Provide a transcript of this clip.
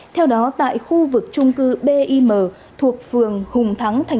theo đó tại khu vực trung cư bim thuộc phường hùng thắng tp hạ long